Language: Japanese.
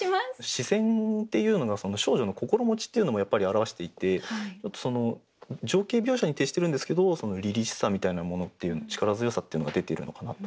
「視線」っていうのが少女の心持ちっていうのもやっぱり表していて情景描写に徹してるんですけどそのりりしさみたいなものっていう力強さっていうのが出ているのかなと。